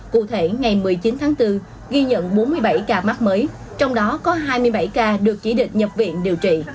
cụ thể ngày một mươi chín tháng bốn ghi nhận bốn mươi bảy ca mắc mới trong đó có hai mươi bảy ca được chỉ định nhập viện điều trị